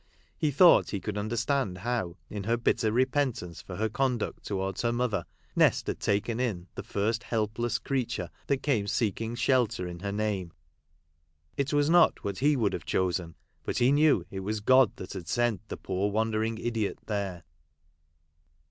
He thought he could understand how, in her bitter repentence for her conduct towards her mother, Nest had taken in the first helpless creature that came seeking shelter in her name. It was not what he would have chosen, but he knew it was God that had sent the poor wandering idiot there.